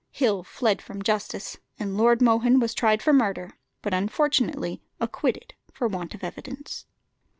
Hill fled from justice, and Lord Mohun was tried for murder, but unfortunately acquitted for want of evidence.